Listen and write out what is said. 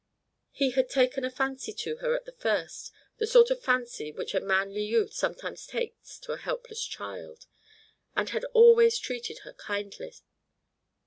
He had taken a fancy to her at the first, the sort of fancy which a manly youth sometimes takes to a helpless child, and had always treated her kindly.